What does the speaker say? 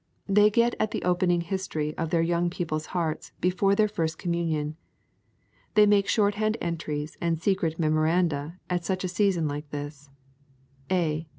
They get at the opening history of their young people's hearts before their first communion. They make shorthand entries and secret memoranda at such a season like this: 'A.